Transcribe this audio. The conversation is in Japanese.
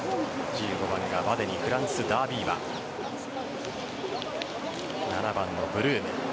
１５番がヴァデニフランスダービー馬７番のブルーム。